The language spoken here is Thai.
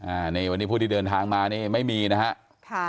อ่าวันนี้ผู้ที่เดินทางมาไม่มีนะครับ